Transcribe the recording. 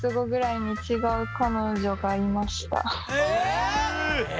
え！